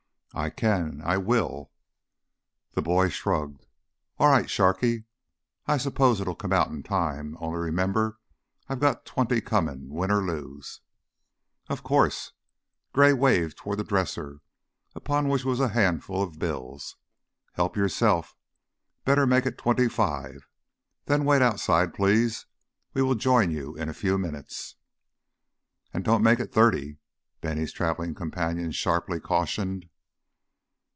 "I can. I will." The boy shrugged. "All right, Sharkey. I s'pose it'll come out, in time. Only remember, I've got twenty coming, win or lose." "Of course" Gray waved toward the dresser, upon which was a handful of bills. "Help yourself. Better make it twenty five. Then wait outside, please. We will join you in a few minutes." "And don't make it thirty," Bennie's traveling companion sharply cautioned.